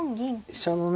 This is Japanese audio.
飛車のね